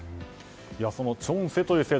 そのチョンセという制度